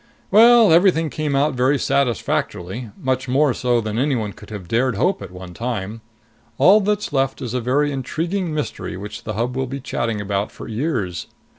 "Well, everything came out very satisfactorily much more so than anyone could have dared hope at one time. All that's left is a very intriguing mystery which the Hub will be chatting about for years....